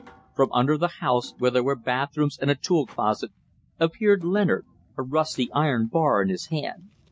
From under the house, where there were bathrooms and a tool closet, appeared Leonard, a rusty iron bar in his hand.